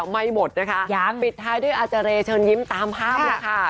มีปิดท้ายด้วยอาจารย์เชิญยิ้มตามภาพด้วยค่ะ